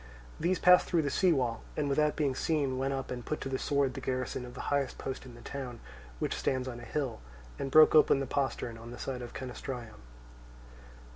These passed through the sea wall, and without being seen went up and put to the sword the garrison of the highest post in the town, which stands on a hill, and broke open the postern on the side of Canastraeum.